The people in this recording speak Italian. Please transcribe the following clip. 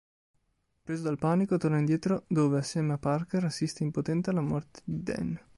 Preso dal panico, torna indietro, dove, assieme a Parker, assiste impotente alla morte di Dan.